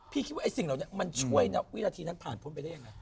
คิดว่าไอ้สิ่งเหล่านี้มันช่วยนะวินาทีนั้นผ่านพ้นไปได้ยังไง